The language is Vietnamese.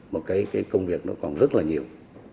một công việc còn rất nhiều